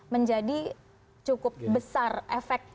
menjadi cukup besar efek